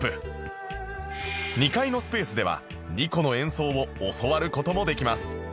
２階のスペースでは二胡の演奏を教わる事もできます